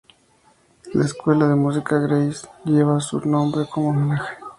La escuela de música de Greiz lleva su nombre como homenaje.